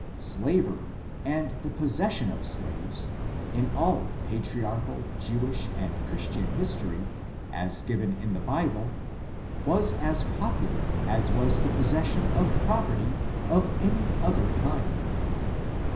Slavery, and the possession of slaves, in all Patriarchal, Jew ish and Christian history, as given in the Bible, was as popular as was the possession of property of any other kind.